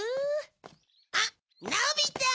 あっのび太。